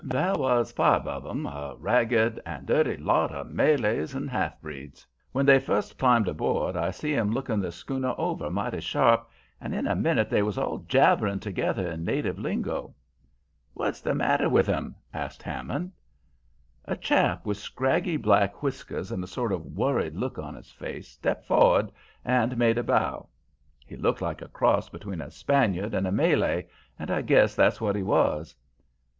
There was five of 'em, a ragged and dirty lot of Malays and half breeds. When they first climbed aboard, I see 'em looking the schooner over mighty sharp, and in a minute they was all jabbering together in native lingo. "'What's the matter with 'em?' says Hammond. "A chap with scraggy black whiskers and a sort of worried look on his face, stepped for'ard and made a bow. He looked like a cross between a Spaniard and a Malay, and I guess that's what he was.